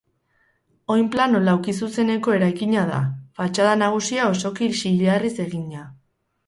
Oinplano laukizuzeneko eraikina da, fatxada nagusia osoki silarriz egina.